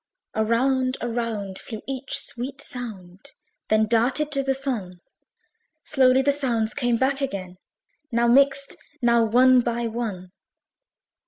Around, around, flew each sweet sound, Then darted to the Sun; Slowly the sounds came back again, Now mixed, now one by one.